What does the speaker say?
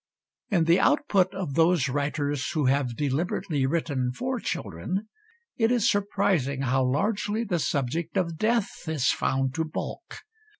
In the output of those writers who have deliberately written for children, it is surprising how largely the subject of death is found to bulk.